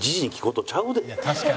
「確かに。